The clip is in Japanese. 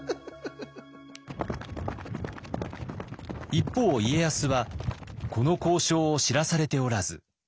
一方家康はこの交渉を知らされておらず。